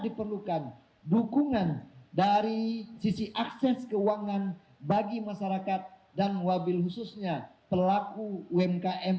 diperlukan dukungan dari sisi akses keuangan bagi masyarakat dan wabil khususnya pelaku umkm